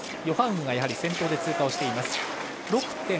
ヨハウグが先頭で通過をしています。